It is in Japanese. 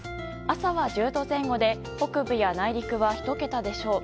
朝は１０度前後で北部や内陸は１桁でしょう。